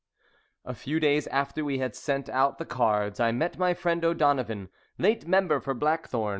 "] A few days after we had sent out the cards, I met my friend O'Donovan, late member for Blackthorn.